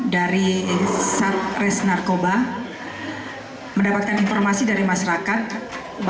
dari satres narkoba mendapatkan informasi dari masyarakat